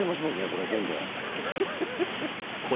これどんどん。